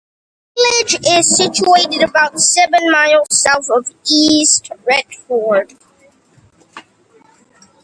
The village is situated about seven miles south of East Retford.